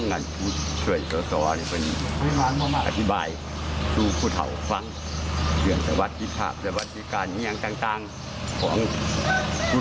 น่ากลิ่นมาด้วยคือว่ามไห่เกียรติใช่ไหมครับ